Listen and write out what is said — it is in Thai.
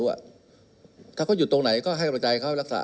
แล้วถ้าเขาอยู่ตรงไหนก็ให้อุณหัวใจเขา